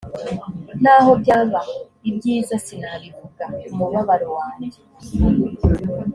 naho byaba ibyiza sinabivuga umubabaro wanjye